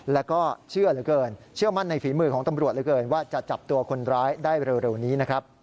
และเชื่อมั่นในฝีมือของตำรวจว่าจะจับตัวคนร้ายได้เร็วนี้